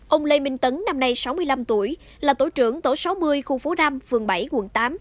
ông lê minh tấn năm nay sáu mươi năm tuổi là tổ trưởng tổ sáu mươi khu phố năm phường bảy quận tám